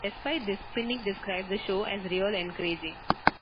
Despite this, Pinnick described the show as real encouraging.